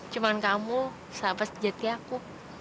cuma kamu sahabat sejati aku